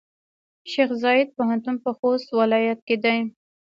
شیخزاید پوهنتون پۀ خوست ولایت کې دی.